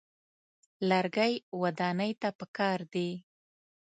لرګي ودانۍ ته پکار دي.